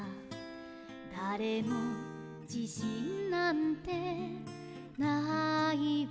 「だれも自信なんてないわ」